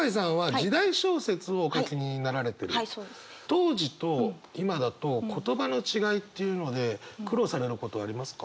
当時と今だと言葉の違いっていうので苦労されることありますか？